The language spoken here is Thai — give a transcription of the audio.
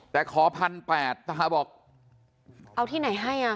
แต่ขอพันแปดตาบอกเอาที่ไหนให้อ่ะ